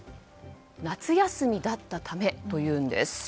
夏休みだったためというんです。